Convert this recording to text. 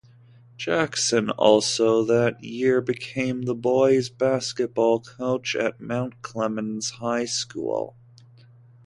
Jackson also that year became the boys' basketball coach at Mount Clemens High School.